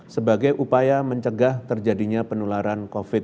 sebagai upaya mencegah terjadinya penularan covid sembilan belas